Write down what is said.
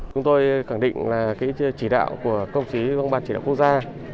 chúng tôi khẳng định là chỉ đạo của công chí văn bản chỉ đạo quốc gia